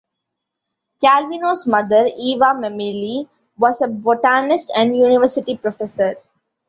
Calvino's mother, Eva Mameli, was a botanist and university professor.